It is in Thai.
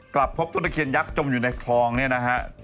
กลับพบต้นตะเคียนยักษ์จมอยู่ในคลองเนี่ยนะฮะ